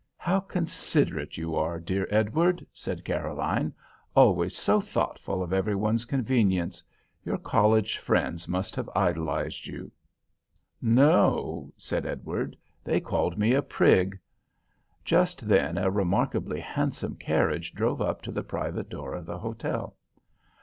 "How considerate you are, dear Edward"—said Caroline—"always so thoughtful of every one's convenience. Your college friends must have idolized you." "No"—said Edward—"they called me a prig." Just then a remarkably handsome carriage drove up to the private door of the hotel.